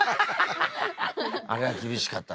あれは厳しかったね。